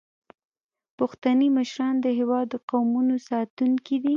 پښتني مشران د هیواد د قومونو ساتونکي دي.